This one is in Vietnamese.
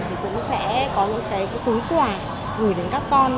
thì cũng sẽ có những cái túi quả gửi đến các con